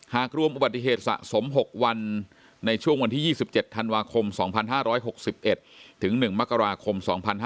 รวมอุบัติเหตุสะสม๖วันในช่วงวันที่๒๗ธันวาคม๒๕๖๑ถึง๑มกราคม๒๕๕๙